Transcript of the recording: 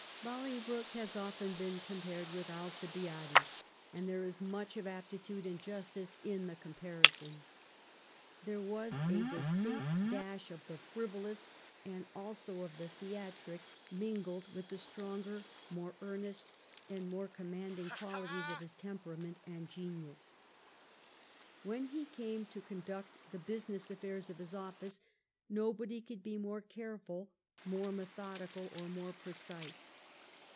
Bolingbroke has often been compared with Alcibiades, and there is much of aptitude and justice in the comparison. There was a distinct dash of the frivolous and also of the theatric, mingled with the stronger, more earnest, and more commanding qualities of his temperament and genius. When he came to conduct the business affairs of his oflSce nobody could be more careful, more methodical, or more precise.